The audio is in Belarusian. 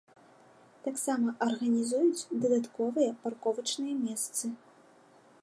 Таксама арганізуюць дадатковыя парковачныя месцы.